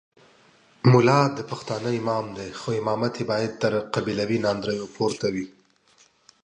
ملا د پښتانه امام دی خو امامت یې باید تر قبیلوي ناندریو پورته وي.